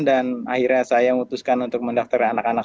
dan akhirnya saya memutuskan untuk mendaftarkan anak anak